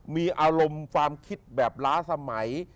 มีอารมณ์ความคิดแบบล้าสมัย